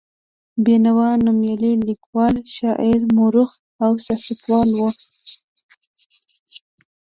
بېنوا نومیالی لیکوال، شاعر، مورخ او سیاستوال و.